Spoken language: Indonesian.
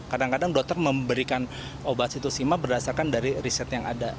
kadang kadang dokter memberikan obat situsima berdasarkan dari riset yang ada